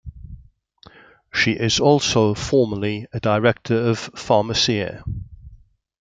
She is also formerly a director of Pharmacia.